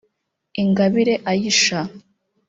Ingabire Aisha